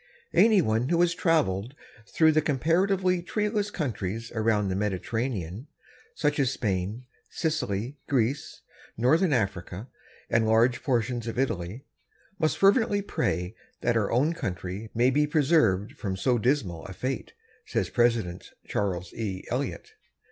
Anyone who has traveled through the comparatively treeless countries around the Mediterranean, such as Spain, Sicily, Greece, northern Africa, and large portions of Italy, must fervently pray that our own country may be preserved from so dismal a fate, says President Charles W. Eliot.